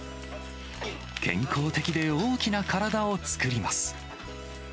健康的で大きな体を作ります。